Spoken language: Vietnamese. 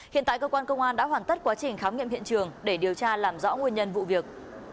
hiện tại cơ quan công an đã hoàn tất quá trình khám nghiệm hiện trường để điều tra làm rõ nguyên nhân vụ việc